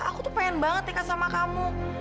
aku tuh pengen banget dekat sama kamu